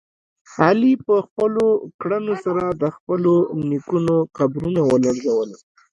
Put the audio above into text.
علي په خپلو کړنو سره د خپلو نیکونو قبرونه ولړزول.